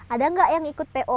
ada nggak yang ikut po